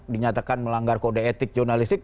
dinyatakan melanggar kode etik jurnalistik